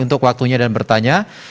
untuk waktunya dan bertanya